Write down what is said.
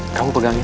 kamu pegang ini